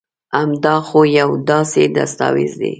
هم دا خو يو داسي دستاويز دي